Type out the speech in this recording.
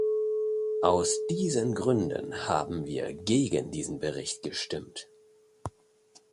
Aus diesen Gründen haben wir gegen diesen Bericht gestimmt.